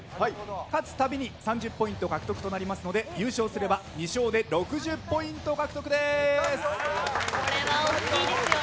勝つたびに３０ポイント獲得となりますので優勝すれば２勝でこれは大きいですよ。